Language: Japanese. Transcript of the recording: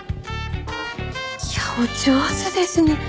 いやお上手ですね。